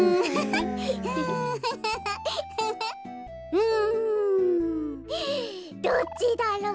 うん。どっちだろう。